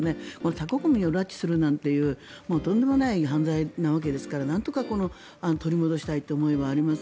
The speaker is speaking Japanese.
他国民を拉致するなんていうとんでもない犯罪なわけですからなんとか取り戻したいという思いがあります。